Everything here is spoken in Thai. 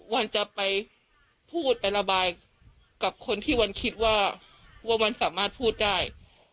วันจะไปพูดไประบายกับคนที่วันคิดว่าว่าวันสามารถพูดได้